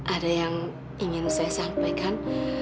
ada yang ingin saya sampaikan